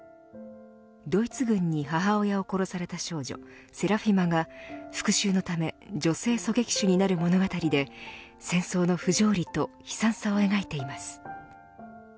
ドイツ軍に母親を殺された少女セラフィマが復讐のため女性狙撃手になる物語で戦争の不条理と悲惨さを描いています。